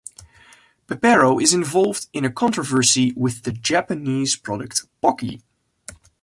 Pepero is involved in a controversy with the Japanese product Pocky.